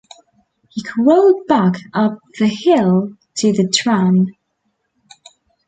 He crawled back up the hill to the tram.